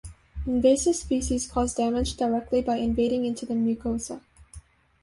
Invasive species cause damage directly by invading into the mucosa.